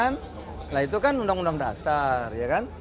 nah itu kan undang undang dasar